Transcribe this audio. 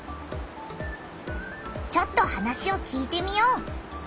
ちょっと話を聞いてみよう！